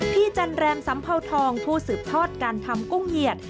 จันแรมสัมเภาทองผู้สืบทอดการทำกุ้งเหยียด